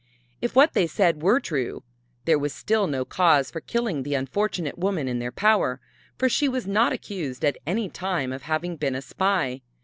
If what they said were true, there was still no cause for killing the unfortunate woman in their power, for she was not accused at any time of having been a spy.